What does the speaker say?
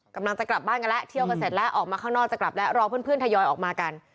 กำลังจะกลับบ้านกันแล้วเที่ยวกันเสร็จแล้วออกมาข้างนอกจะกลับแล้วรอเพื่อนทยอยออกมากัน